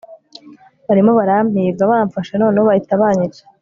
barimo barampiga bamfashe noneho bahita banyica